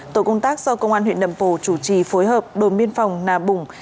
tổ công tác do công an huyện lậm pồ chủ trì phối hợp đồn biên phòng nà bùng